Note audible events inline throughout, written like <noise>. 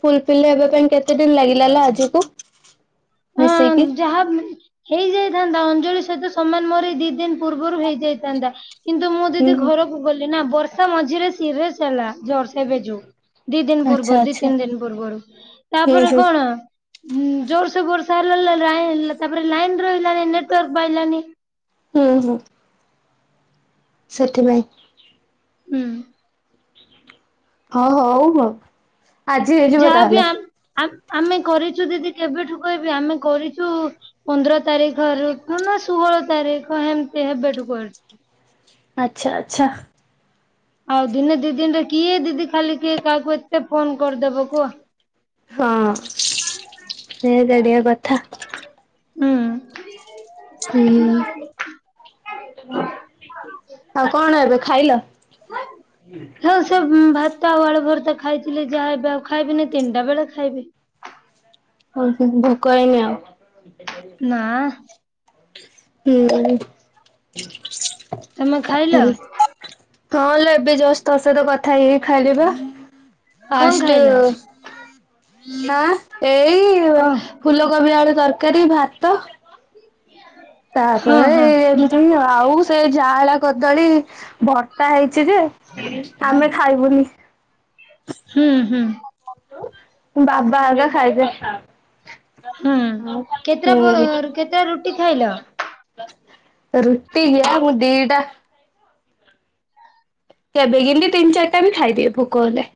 ଫୁଲ feel ହେବା ପାଇଁ କେତେ ଦିନ ଲାଗିଲା ଲ ଆଜିକୁ? ହଁ ମିଶେଇକି? ଯାହା ହେଇଯାଇଥାନ୍ତା। ଅଞ୍ଜଳି ସହିତ ସମାନ ମର ଏଇ ଦି ଦିନ ପୂର୍ବରୁ ହେଇ ଯାଇଥାନ୍ତା। କିନ୍ତୁ ମୁଁ ହୁଁ ଦିଦି ହୁଁ ଘରକୁ ଗଲି ନା। ବର୍ଷା ମଝିରେ ସିରିଏସ୍ ଚାଲା, ଜର ସେବେ ଜଉ। ଦି ଦିନ ଆଚ୍ଛା ପୂର୍ବରୁ ଦି ଆଚ୍ଛା। ତିନି ଦିନ ପୂର୍ବରୁ ହୁଁ ତାପରେ ହୁଁ କଣ? ଜୋରସୋ ବରଷା ହେଲା। ଲା-ଲା-ଲାଇନ୍ ତାପରେ ଲାଇନ୍ ରହିଲାନି ନେଟୱାର୍କ ପାଇଲାନି। ହୁଁ ହୁଁ। ସେଥିପାଇଁ। ହୁଁ। ହଁ, ହଉ ହ ଆଜି ହେଇଯିବ ଯାହାବି ତାହେଲେ। ଆ ଆ ଆମେ କରିଛୁ। ଦିଦି କେବେଠୁ କହିବି? ଆମେ କରିଛୁ? ପନ୍ଦର ତାରିଖରଠୁ ନା ଷୁହଳ ତାରିଖ ହେମିତି ହେବେଠୁ କରିଛୁ। ଆଛା ଆଚ୍ଛା। ଆଉ ଦିନେ ଦି ଦିନରେ କିଏ ଦିଦି ଖାଲି କିଏ କାହାକୁ ଏତେ ଫୋନ କରିଦବ କୁହ? ହଁ ସେଇ ତ ଟିଏ କଥା। ହୁଁ। ହୁଁ। ଆଉ କଣ ଏବେ ଖାଇଲ? ହୁଁ, ଭାତ ଆଉ ଆଳୁ ଭରତା ଖାଇଥିଲି। ଯାହା ହେବେ ଆଉ ଖାଇବିନି ତିନିଟା ବେଳେ ଖାଇବି। ଓହୋ ଭୋକ ହେଇନି ଆଉ ନାଆଁ। ହୁଁ। ହେଲେ ତମେ ଖାଇଲ ହଁ ଲୋ! ଏବେ ଜଷ୍ଟ ତ ସହିତ କଥ ଥାାଇଇି ଖାଇଲେ ବା କଣ ଫାଷ୍ଟ ଖାଇଲ? ଆଁ ଏଇ କଣ ଫୁଲକୋବି ଆଳୁ ତରକାରୀ ଭାତ। ହଁ ତାପରେ, ହଁ ଏମିତିହିଁ ଆଉ ସେ ଯାଆଳା କଦଳୀ ଭର୍ତ୍ତା ହେଇ ଛି ଯେ ଆମେ ଖାଇବୁନି। ହୁଁ ହୁଁ ବାବା ଆଗା ଖାଇଵେ। ହୁଁ କେତେଟା କେତେଟା ରୁଟି ଖାଇଲ? ରୁଟି ଯ ମୁଁ ଦିଟା କେବେେକିନ୍ତି ତିନି ଚାରିଟା ବି ଖାଇଦିଏ, ଭୋକ ହେଲେ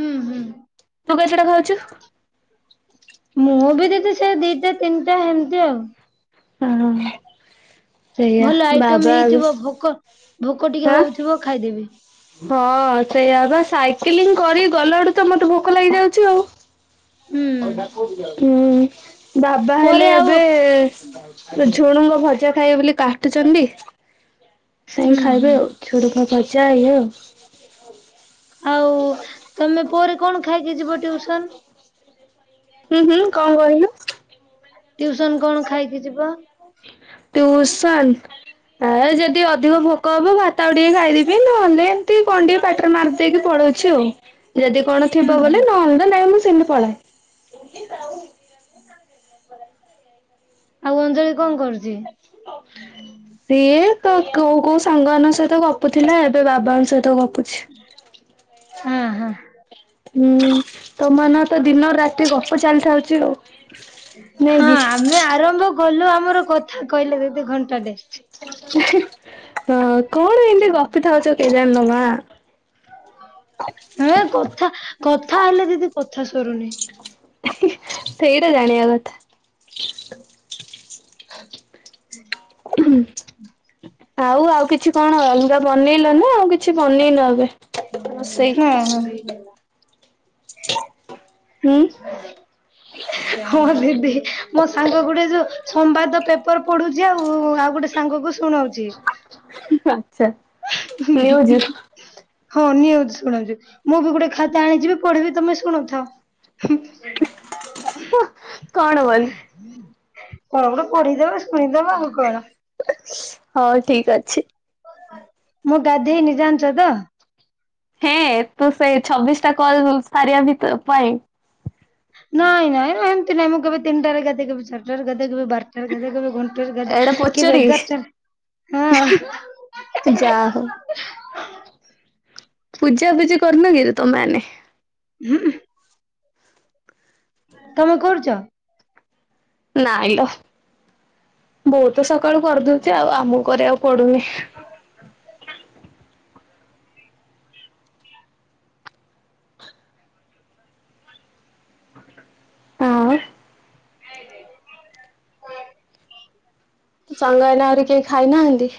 ହୁଁ ହୁଁ, ତୁ କେତେଟା ଖାଉଛୁ? ମୁଁ ବି ଦେଖ ସେ ଦିଟା ତିନିଟା ହେମତି ଆଉ ହଁ ସେଇଆ ଭଲ ଆଇଟମ୍ ବାବା ଆଁ ହେଇଥିବ ଭୋକ ଭୋକ ଟିକେ ହଉଥିବ ଖାଇଦେବି। ହଁ ସେଇଆ ବା ସାଇକିଲିଂ କରି ଗଲା ଆଡ଼ୁ ତ ମୋତେ ଭୋକ ଲାଗିଯାଉଛି ଆଉ। ହୁଁ <unintelligible> ହୁଁ। ବାବା ପରେ ହେଲେ ଆଉ ଏବେ ଝୁଡ଼ୁଙ୍ଗ ଭଜା ଖାଇବେ ବୋଲି କାଟୁଛନ୍ତି। ସେଇ ହୁଁ ହୁଁ। ଖାଇବେ ଆଉ <unintelligible> ଯାଇ ହୋ <unintelligible> ଆଉ ତମେ ପରେ କଣ ଖାଇକି ଯିବ ଟିଉସନ୍? ହୁଁ ହୁଁ କଣ କହିଲୁ? ଟିଉସନ୍ କଣ ଖାଇକି ଯିବ? ଟ୍ୟୁସନ୍ ଏ- ଯଦି ଅଧିକ ଭୋକ ହବ ଭାତ୍ <unintelligible> ଟିକେ ଖାଇଦେବି ନହେଲେ ଏମିତି କଣ୍ ଟିକେ ପାଟିରେ ମାରିଦେଇକି ପଳଉଛି ଆଉ। ଯଦି କଣ ହୁଁ ଥିବ ହୁଁ। ବୋଲେ, ନହେଲେ ତ ନାଇଁ ମୁଁ ସେମିତି ପଳାଏ। ଆଉ ଅଞ୍ଜଳି କଣ କରୁଛି? ସିଏ ତ କୋଉ କୋଉ ସାଙ୍ଗମାନଙ୍କ ସହିତ ଗପୁଥିଲା ଏବେ ବାବାଙ୍କ ସହିତ ଗପୁଛି। ହଁ ହଁ। ହମ୍- ତମମାନଙ୍କର ତ ଦିନ ରାତି ଗପ ଚାଲିଥାଉଛି ଆଉ। ହଁ ନାଇଁକି ଆମେ ଆରମ୍ଭ କଲୁ ଆମର କଥା କହିଲେ ଦିଦି ଘଣ୍ଟା ଟେ। <unintelligible> ହଁ କଣ ଏମିତି ଗପି ଥାଉଛ କେଜାଣ ଲୋ ମା। କଥା, କଥା ହେଲେ ଦିଦି କଥା ସରୁନି। ସେଇଟା ଜାଣିବା କଥା। ହୁଁ। ଆଉ ଆଉ କିଛି କଣ ଆଣଲୁ? <unintelligible> ତ ବନେଇଲ ନା ଆଉ କିଛି ବନେଇନ ଏବେ ରୋଷେଇ? <unintelligible> ହୁଁ <unintelligible> ହଁ ଦିଦି ମୋ ସାଙ୍ଗ ଗୁଡେ ଯୋଉ ସମ୍ବାଦ ପେପର ପଢୁଛି ଆଉ- ଆଉ ଗୋଟେ ସାଙ୍ଗକୁ ଶୁଣଉଛି। ଆଚ୍ଛା ହୁ ହୁ ହମ୍। ନ୍ୟୁଜ ହଁ ନିଅ ଶୁଣ ଦିଦି ମୁଁ ବି ଗୋଟେ ଖାତା ଆଣିଯିବି ପଢ଼ିବି ତମେ ଶୁଣୁଥାଅ। <unintelligible> କଣ ବୋଲି? କଣ ଗୋଟେ ପଢ଼ିଦେବା ଶୁଣିଦେବା ଆଉ କଣ। ହଁ ଠିକ୍ ଅଛି। ମୁଁ ଗାଧେଇନି ଜାଣିଛ ତ? ହେଁ ତୁ ସେଇ ଛବିଶ ଟା କଲ <unintelligible> ସାରିବା ଭିତର ପାଇଁ ନାଇଁ ନାଇଁ ଏମତି ନାଇଁ ମୁଁ କେବେ ତିନିଟାରେ ଗାଧେ, କେବେ ଚାରିଟାରେ ଗାଧେ। କେବେ ବାରଟାରେ ଗାଧେ କେବେ ଘଣ୍ଟେରେ ଗାଧେ ଏଇଟା କେବେ ଏଗାର ଟା ପଚାରିବି ହଁ। ତୁ ଯା ହଉ ପୂଜା ପୂଜି କରୁନ କିରେ ତମେମାନେ? ହୁମ୍। ତମେ କରୁଛ? ନାଇଁ ଲ ବୋଉ ତ ସ ସକାଳୁ କରିଦଉଛି ଆଉ ଆମକୁ କରିବାକୁ ପଡ଼ୁନି। ହଁ। <unintelligible> ତୋ ସାଙ୍ଗ ଏନା ଆହୁରି କେହି ଖାଇନାହାନ୍ତି?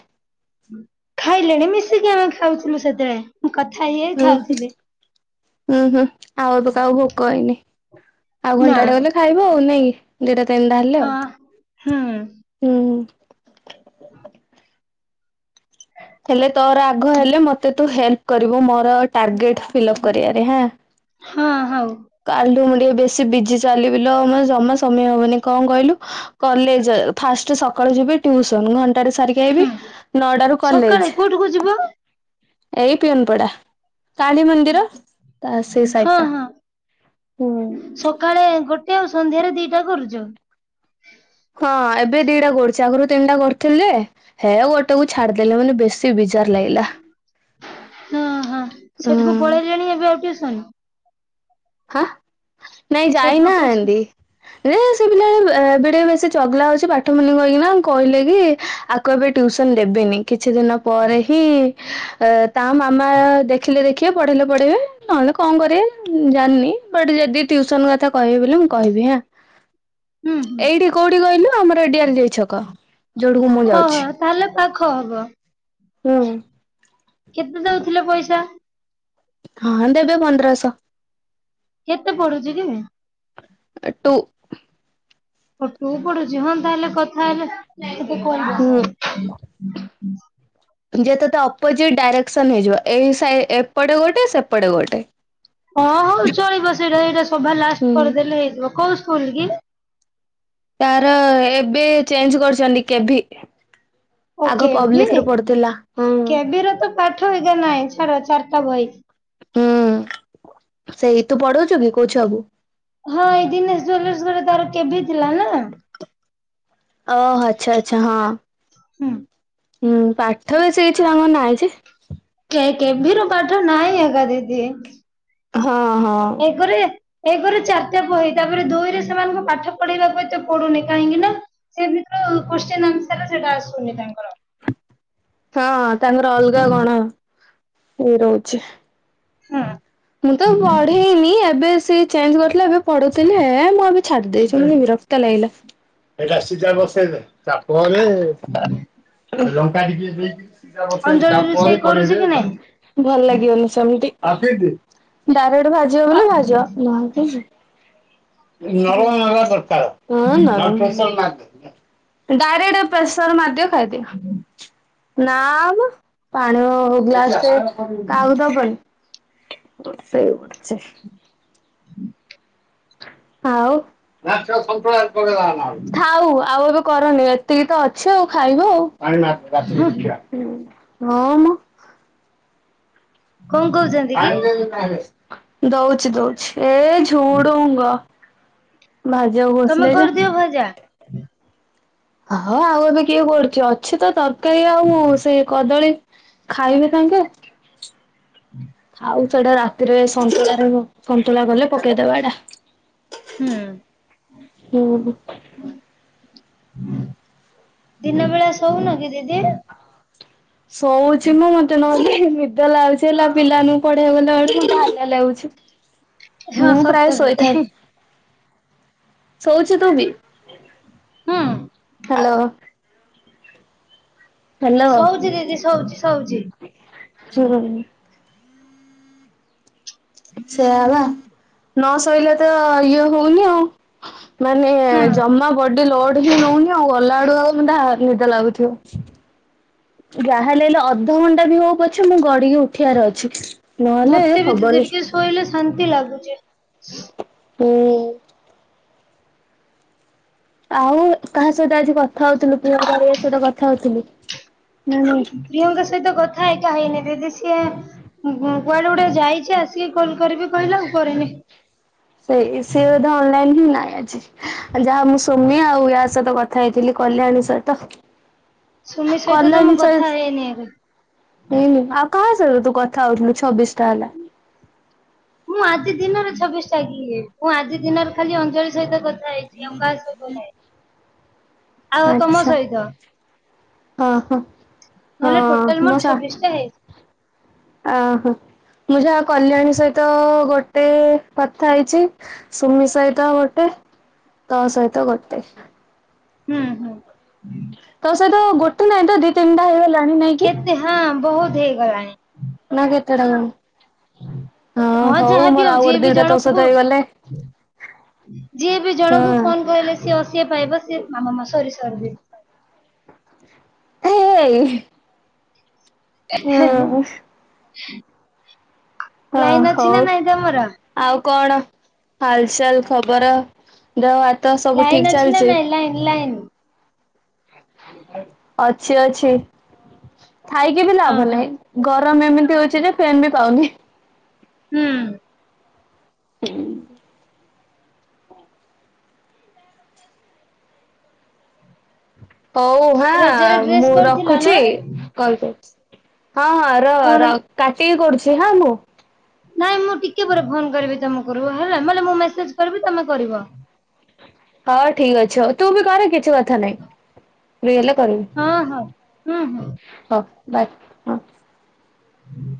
ଖାଇଲେଣି ମିଶିକି ଆମେ ଖାଉଥିଲୁ ସେତବେଳେ ମୁଁ କଥା ହେଇ-ହେଇ ଖାଉଥିଲି। ହୁଁ-ହୁଁ ଆଉ ଏବେ କାହାକୁ ଭୋକ ହେଇନି। ଆଉ ନା ଘଣ୍ଟାଟେ ଗଲେ ଖାଇବୁ ଆଉ ନାଇକି ଦିଟା ତିନିଟା ହେଲେ ହଁ ହୁଁ। <unintelligible> ହେଲେ ତୋର ଆଗ ହେଲେ ମୋତେ ତୁ ହେଲ୍ପ କରିବୁ ମୋର ଟାର୍ଗେଟ୍। ଫିଲପ୍ କରିବାରେ ହା ହଁ ହଉ। <unintelligible> ଟିକେ ବେଶୀ ବିଜି ଚାଲିବି ଲୋ ମତେ ଜମା ସମୟ ହବନି କଣ କହିଲୁ କଲେଜ ଫାଷ୍ଟ ସକ ସକାଳୁ ଯିବି ଟ୍ୟୁସନ ଘଣ୍ଟାଟେ ସାରିକି ଆଇବି ନଅ ଟା ରୁ ସକାଳେ କୋଉଠୁକୁ ଯିବ? ଏଇ ପିଅନପଡା କାଳୀ ମନ୍ଦିର। ସେଇ ହଁ ସାଇଟ୍ ଟା। ହଁ ସକାଳେ ଗୋଟ୍ <unintelligible> ଆଉ ସନ୍ଧ୍ୟାରେ ଦିଟା କରୁଚୁ? ହଁ ଏବେ ଦିଟା କରୁଛି ଆଗରୁ ତିନିଟା କରିଥିଲେ ଯେ ହେ ଗୋଟେ କୁ ଛାଡଦେଲି ମାନେ ବେଶ ଶୀ ବିଜାର୍ ଲାଗିଲା ହଁ ହୁଁ। ତନୁ ହାଁ ନାଇଁ ସେଠିକୁ ଟିଉସନ ଯାଇନାହାନ୍ତି। ଯେ ସେ ପିଲା ଏ ଏବେ ଟିକେ ବେଶୀ ଚଗଲା ହଉଛି ପାଠ ପଢ଼ୁନି କହିକିନା କହିଲେ କି ଆକୁ ଏବେ ଟୁ ଉସନ ଦେବିନି। କିଛି ଦିନ ପରେ ହିଁ ତା ମାମା ଦେଖିଲେ ଦେଖ ଖିବେ ପଢେଇଲେ ପଢେଇବେ ନହେଲେ କଣ କରିବେ ଉଁ ଜାଣିନି ବଟ ଯଦି ଟ୍ୟୁସନ କଥା କହିବେ ବୋଲେ ମୁଁ କହିବି ହାଁ। ହୁଁ ହୁଁ। ଏଇଠି କୋଉଠି କହିଲୁ ଆମର ଦିଅରଲ୍ଦି ଛକ ଯୋଉଠକୁ ମୁଁ ଯାଉଛି। ଖ ହବ। ହୁଁ। କେତେ ଦଉଥିଲେ ପଇସା? ହଁ ଦେବେ ପନ୍ଦରଶହ। କେତେ ପଢୁଛି କି? ଟୁ ଓ ଟୁ ପଢୁଛି ହଁ ତାହେଲେ କଥା ହେଲେ ଟିକେ କ ହୁଁ। ଯେ ତତେ ଅପୋଜିଟ ଡାଇରେକ୍ସନ ହେଇଯିବ ଏଇ ସା ଏପଟେ ଗୋଟେ ସେପଟେ ଗୋଟେ। ହଁ ହଉ ଚଳିବ ସେଇଟା ଏଇଟା ସଭା ହୁଁ ଲାଷ୍ଟ କରିଦେଲେ ହେଇଯିବ କଉ ସ୍ ସ୍କୁଲ୍ କି? ତାର ଏବେ ଚେଞ୍ଜ କରୁଛନ୍ତି କେ ଭି। ଓ କେ ଭି, ହୁଁ କେ ଭି ରେ ତ ପାଠ ଏକା ନାଇଁ। ତାର ଚାର୍ ଟା ଭାଇ। ହୁଁ ସେଇ, ତୁ ପଢଉଛୁ କି କଉ ଛୁଆ କୁ? ହଁ ଏଇ ଦିନେଶ ଜ୍ବେଲର୍ସ ଘର ତାର କେ ଭି ଥିଲା ନା। ଓହ ଆଚ୍ଛା ଆଚ୍ଛା ହଁ। ହୁଁ ହୁଁ ପାଠ ବେଶୀ କିଛି ତାଙ୍କର ନାହିଁ ଯେ। କେ ଭି ର ପାଠ ନାଇଁ ଏକା ଦିଦି। ହଁ ହଁ। ଏକରେ ଏକରେ ଚାରିଟା ବହି, ତାପରେ ଦୁଇରେ ସେମାନଙ୍କୁ ପାଠ ପଢେଇବାକୁ ଏତେ ପଡୁନି, କାହିଁକି ନା ସେ ଭିତରୁ କ୍ୱଶ୍ଚିନ୍ ଆଁସର ରେ ସେଟା ଆସୁନି ତାଙ୍କର ହଁ ତାଙ୍କର ଅଲଗା କଣ ଇଏ ରହୁଛି। ହୁଁ। ମୁଁ ତ ପଢେଇନି। ଏବେ ସିଏ ଚେଞ୍ଜ କରିଥିଲା ଏବେ ପଢୁଥିଲି ହେଏ ମୁଁ ଏବେ ଛାଡିଦେଇଛିି ମାନେ ବିରକ୍ତ ଲାଗିଲା। ଏଇଟା ସିଝା ବସେଇ ଦେ। ତାପରେ ଅ ଲଙ୍କା ଟିକେ ଦେଇ ସିଝା ବସେଇଦେ ଅଞ୍ଜଳି ରୋଷେଇ ତାପରେ କରୁଛି କଡେଇରେ କି ନାଇଁ ତାକୁ, ଭଲ ଲାଗିବନି ସେମିତି। ଢାପିଦେ। ଡାଇରେକ୍ଟ ଭାଜିବ ଅ ବୋଲେ ଭାଜ ନୋହଲେ ନାଇ। <inaudible> <unintelligible> ପ୍ରେସର ମାରଦେ। ଡାଇରେକ୍ଟ ପ୍ରେସର୍ ମାରିଦିଅ। ଖାଇଦିଅ। ନା ମ, ପାଣୀୟ ଗ୍ଲାସ ଟା। <unintelligible> କଉଦ ପଡି। <unintelligible> ଆଉ, ନା ସେଟା ସନ୍ତୁଳା ରେ ପକେଇଦେବା ନହଲେ। ଥାଉ ଆଉ ଏବେ କରନି ଏତିକି ତ ଅଛି ଆଉ ଖାଇବୁ ଆଉ ହଁ ମ କଣ କହୁଛନ୍ତି କି ଦଉଛି ଦଉଛି, ଏ ଝୁଡୁଙ୍ଗ ଭାଜିବାକୁ ତମେ ବସିଲେ ଯେ କରିଦିଅ ଭଜା ହଁ ଆଉ ଏବେ କିଏ କରୁଛି ଅଛି ତ ତରକାରୀ ଆଉ ସେଇ କଦଳୀ ଖାଇବି କାକେ ଖାଉ ସେଇଟା ରାତିରେ ସନ୍ତୁଳାରେ ସନ୍ତୁଳା କଲେ ପକେଇଦବା ଏଇଟା ହୁଁ ଉଁ ହୁଁ। ଦିନ ବେଳା ଶଉନୁ କି ଦିଦି? ଶଉଛି ମୁଁ ମତେ ନହେଲେ ନିଦ ଲାଗୁଛି ହେଲା ପିଲା ମାନଙ୍କୁ ପଢେଇ ଗଲା ବେଳକୁ ଲାଗୁଛି ହଁ ମୁଁ ପ୍ରାୟ ସତ ଦିଦି ଶୋଇଥାଏ। ଶୋଇଛୁ ତୁ ବି? ହୁଁ ହାଲୋ। ଶଉଛି ଦିଦି ଶଉଛି ଶଉଛି। ହୁଁ ସେୟା ପା। ନ ସୋଇଲେ ତ ଇଏ ହଉନି ଆଉ। ମାନେ ହୁଁ ଜମା ବଡି ଲୋଡ ହିଁ ନଉନି ଆଉ ଅଲ ତାଠୁ ଆଉ ମେ ନିଦ ଲାଗୁଥିବ। ଯାହା ହେଲେ ହେଲେ ଅଧଘଣ୍ଟା ବି ହଉ ପଛ ମୁଁ ଗଡିକି ଉଠିବାର ଅଛି। ନହେଲେ ମତେ ବି ଦିଦି ହବନି ଟିକେ ଶୋଇଲେ ଶାନ୍ତି ଲାଗୁଛି। ହୁଁ। ଆଉ କାହା ସହିତ ଆଜି କଥା ହଉଥିଲୁ ପୁଅ ସହିତ କଥା ହଉଥିଲୁ? ନା ନାଇଁ? ପ୍ରିୟଙ୍କା ସହିତ କଥା ହେଇ ହେଇନି ଦିଦି ସିଏ କୁଆଡେ ଗୋଟେ ଯାଇଛି ଆସିକି କରିବି କହିଲା ଆଉ କରିନି। ସେଇ ସିଏ ବୋଧେ ଅନଲାଇନ ହିଁ ନାହିଁ। ଯାହା ମୁଁ ସୌମ୍ୟା ଆଉ ୟା ସହିତ କଥା ହେଇଥିଲି କଲ୍ୟାଣୀ ସହିତ। ସୁମି ସହିତ ତ ମୁଁ କଲ୍ୟାଣୀ କଥା ହେଇନି ଏବେ। ସହିତ କାହା ସହିତ ତୁ କଥା ହଉଥିଲୁ ଛବିଶ ଟା ହେଲା? ମୁଁ ଆଜି ଦିନରେ ଛବିଶ ଟା କିଏ ମୁଁ ଆଜି ଦିନରେ ଖାଲି ଅଞ୍ଜଳି ସହିତ କଥା ହେଇଛି ଆଉ ହୁଁ କାହା ସହିତ ହୁଁ। ନାହିଁ। ଆଉ ତମ ସହିତ। ହଁ ହଁ ନହେଲେ ଟୋଟାଲ ହଁ ମୋ ମୋର ସା ଛବିଶ ଟା ହେଇଛି। ଓହୋ। ମୁଁ ଯାହା କଲ୍ୟାଣୀ ସହିତ ଗୋଟେ କଥା ହେଇଛି। ସୁମି ସହିତ ଗୋଟେ। ତୋ ସହିତ ଗୋଟେ। ହୁଁ ହୁଁ। ତୋ ସହିତ ଗୋଟେ ନାଇଁ ତ ଦି ତିନିଟା ହେଇଗଲେ କେତେ ହଁ ବହୁତ ହେଇଗଲାଣି। ନା କେତଟା ନମୁ? ହଁ ଯାହାବି ହଉ ଆଉ ଗୋଟେ ଜିଏବି ଦିଟା ତୋ ଜଣକୁ ସହିତ ହେଇଗଲେ ପକଉ? ଯିଏ ବି ଜଣଙ୍କୁ ହଁ। ଫୋନ କହିଲେ ସିଏ ଆସି ପା ପାଇବ। ମାମାମ ସରି ସରି ଦିଦି ସରି। ଏ ହେ ହେ। ହଁ ଲାଇନ ଅଛି ହଉ ନା ନାଇଁ ତମର? ଆଉ କଣ ହାଲଚାଲ ଖବର ଦେହ ହାତ ସବୁ ଲାଇନ ଠିକ ଅଛି ନା ଚାଲିଛି? ନାଇଁ ଲାଇନ ଲାଇନ? ଅଛି ଅଛି ଥାଇକି ବି ହଁ ଲାଭ ହଁ ନାହିଁ। ଗରମ ଏମିତି ହଉଛି ଯେ ଫେନ୍ ବି ପାଉନି। ହୁଁ। ହୁଁ ହଉ ରଜରେ ହଁ ମୁଁ ଡ୍ରେସ୍ କରିଥିଲ ରଖୁଛି। ନା କଲ୍ କରୁଛି। ହଁ ହଁ କଣ ରହ କାଟିକି କରୁଛି ହଁ ମୁଁ। ନାଇଁ ମୁଁ ଟିକେ ପରେ ଫୋନ କରିବି ତମରୁ ହେଲା ମୁଁ ମେସେଜ କରିବି ତମେ କରିବ। ହଉ ଠିକ ହଉ ତୁ ବି କର କିଛି କଥା ନାଇଁ। ଫ୍ରି ହେଲେ ହଁ ହଁ ହୁଁ ହୁଁ। କରିବି। ହଉ ବାଏ ହୁଁ। ହୁଁ।